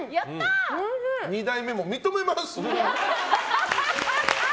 ２代目も認めます。